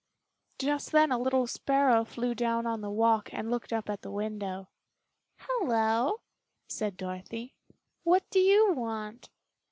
Just then a little sparrow flew down on the walk and looked up at the window. "Hello!" said Dorothy, "what do you want?"